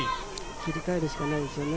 切り替えるしかないですね。